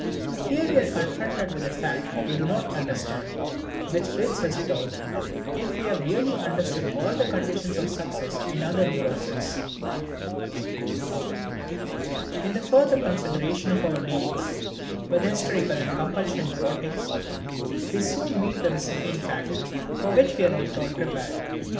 Here we are confronted with a fact we do not understand, which bids us doubt if we have really understood all the conditions of success in other neuroses. In the further consideration of our dealings with hysterical and compulsion neurotics we soon meet with a second fact, for which we were not at all prepared.